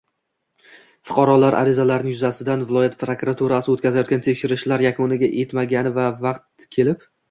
Fuqarolar arizalari yuzasidan viloyat prokuraturasi o`tkazgan tekshirishlar yakuniga etmagani va vaqt kelib